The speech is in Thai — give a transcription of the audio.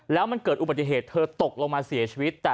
แล้วมันเกิดอุบัติเหตุเธอตกลงมาเสียชีวิต